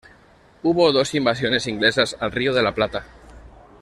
Hubo dos invasiones inglesas al Río de la Plata.